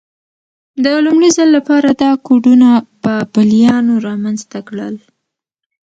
د لومړي ځل لپاره دا کوډونه بابلیانو رامنځته کړل.